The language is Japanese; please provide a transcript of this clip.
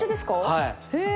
はい。